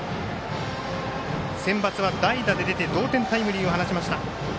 センバツは代打で出て同点タイムリーを放ちました。